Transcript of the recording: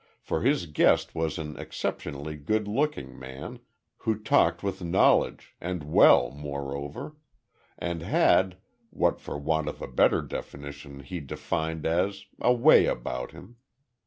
For his guest was an exceptionally good looking man, who talked with knowledge, and well, moreover; and had what for want of a better definition he defined as a way about him.